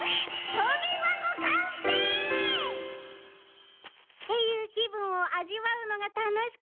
とび箱完成！っていう気分を味わうのが楽しくて何回もやってたの。